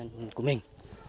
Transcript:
giống như con của mình